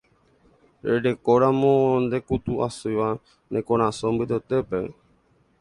Rerekóramo ndekutu'asýva ne korasõ mbytetépe.